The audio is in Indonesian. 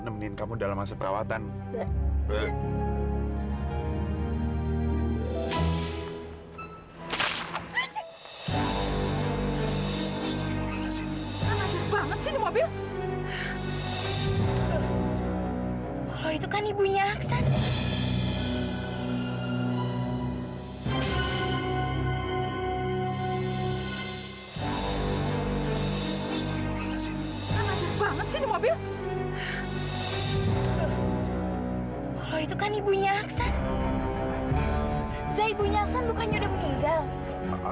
zai ibunya aksan bukan sudah meninggal